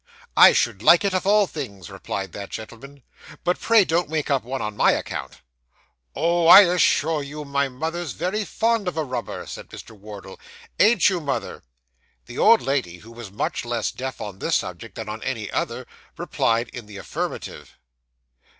'I should like it of all things,' replied that gentleman; 'but pray don't make up one on my account.' 'Oh, I assure you, mother's very fond of a rubber,' said Mr. Wardle; 'ain't you, mother?' The old lady, who was much less deaf on this subject than on any other, replied in the affirmative.